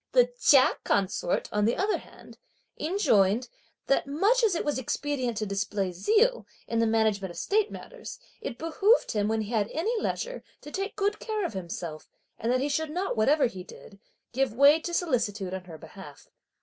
The Chia consort, on the other hand, enjoined "that much as it was expedient to display zeal, in the management of state matters, it behoved him, when he had any leisure, to take good care of himself, and that he should not, whatever he did, give way to solicitude on her behalf."